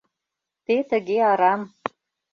Те тыге арам...